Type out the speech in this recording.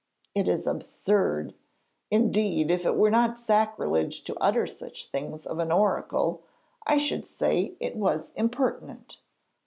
It is absurd! indeed, if it were not sacrilege to utter such things of an oracle, I should say it was impertinent.